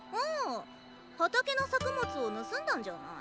畑の作物を盗んだんじゃない？